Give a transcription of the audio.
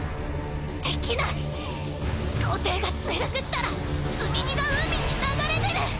できない飛行艇が墜落したら積荷が海に流れ出る。